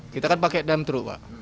kita kan pakai damp truk pak